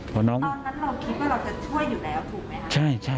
ตอนนั้นเราคิดว่าเราจะช่วยอยู่แล้วถูกไหมคะ